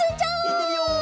いってみよう！